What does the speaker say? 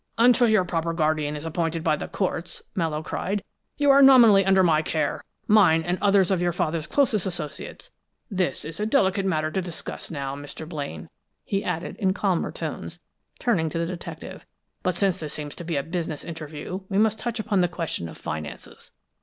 "Until your proper guardian is appointed by the courts," Mallowe cried, "you are nominally under my care, mine and others of your father's closest associates. This is a delicate matter to discuss now, Mr. Blaine," he added, in calmer tones, turning to the detective, "but since this seems to be a business interview, we must touch upon the question of finances.